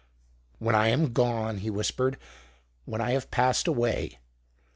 "When I am gone," he whispered; "when I have passed away.